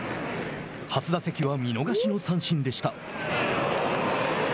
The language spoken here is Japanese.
初打席は見逃しの三振でした。